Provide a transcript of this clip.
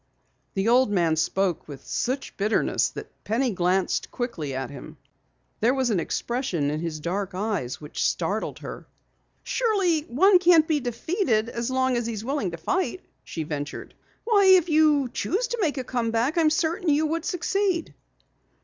The old man spoke with such bitterness that Penny glanced quickly at him. There was an expression in his dark eyes which startled her. "Surely one can't be defeated as long as he's willing to fight," she ventured. "Why, if you chose to make a come back, I'm certain you would succeed."